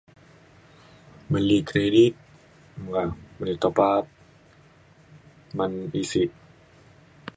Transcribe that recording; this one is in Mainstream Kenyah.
beli kredit meka beli top up man isik